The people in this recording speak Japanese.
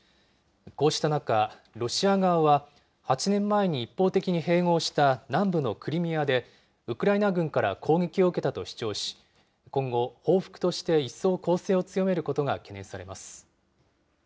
こうした中、ロシア側は８年前に一方的に併合した南部のクリミアで、ウクライナ軍から攻撃を受けたと主張し、今後、報復として一層攻勢を強めることが懸念されます。